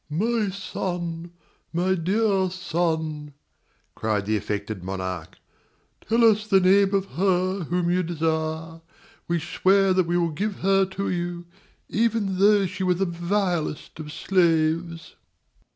"My son, my dear son," cried the affected monarch, "tell us the name of her whom you desire: we swear that we will give her to you. Even though she were the vilest of slaves."